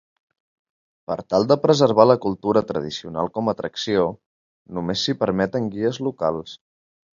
Per tal de preservar la cultura tradicional com a atracció, només s'hi permeten guies locals.